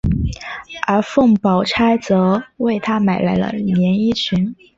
而凤宝钗则为他买来了连衣裙。